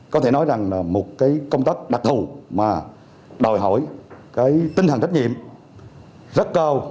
có thể nói rằng là một công tác đặc thù mà đòi hỏi tinh thần trách nhiệm rất cao